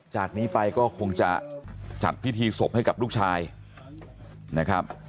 จากนี้ไปก็คงจะจัดพิธีศพให้กับลูกชายนะครับ